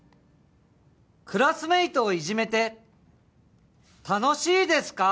クラスメイトをいじめて楽しいですか？